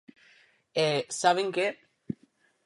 E, ¿saben que?